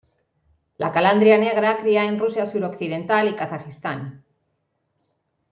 La calandria negra cría en Rusia suroccidental y Kazajistán.